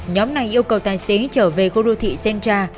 nhóm này yêu cầu tài xế trở về khu đô thị sentra